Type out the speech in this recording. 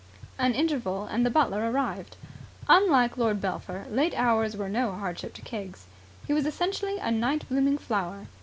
An interval and the butler arrived. Unlike Lord Belpher late hours were no hardship to Keggs. He was essentially a night blooming flower.